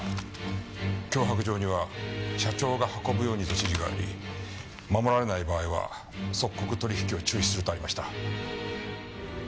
脅迫状には社長が運ぶようにと指示があり守られない場合は即刻取引を中止するとありました。